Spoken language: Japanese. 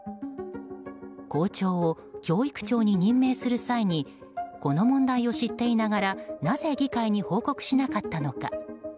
校長を教育長に任命する際にこの問題を知っていながらなぜ議会に報告しなかったのか。